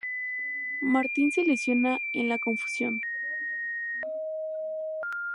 Martin se lesiona en la confusión.